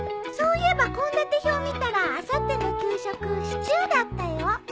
そういえば献立表見たらあさっての給食シチューだったよ。